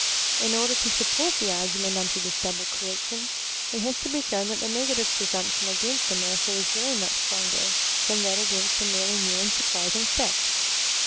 In order to support the argument under this double correction, it has to be shown that the negative pre sumption against a miracle is very much stronger than that against a merely new and surprising fact.